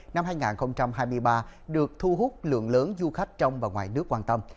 năm hai nghìn hai mươi ba được thu hút lượng lớn du khách trong và ngoài nước quan tâm